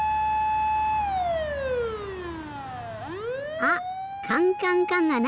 あっ「かんかんかん」がない！